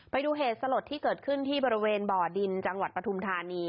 ไปดูเหตุสลดที่เกิดขึ้นที่บริเวณบ่อดินจังหวัดปฐุมธานี